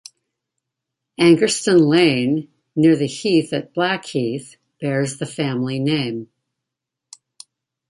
Angerstein Lane, near the heath at Blackheath, bears the family name.